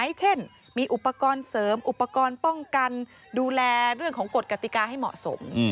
เช่นมีอุปกรณ์เสริมอุปกรณ์ป้องกันดูแลเรื่องของกฎกติกาให้เหมาะสม